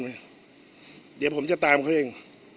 เดี๋ยวผมจะตามเขาเอง